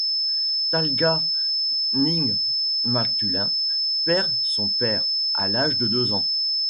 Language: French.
Talgat Nigmatulin perd son père à l'âge de deux ans.